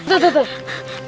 tuh tuh tuh